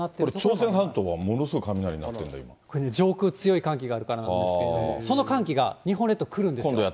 朝鮮半島はものすごい雷なってるんだ、これね、上空強い寒気があるからなんですけれども、その寒気が日本列島に来るんですよ。